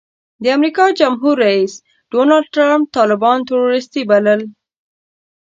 د امریکا جمهور رئیس ډانلډ ټرمپ طالبان ټروریسټي بلل.